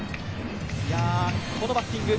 このバッティング。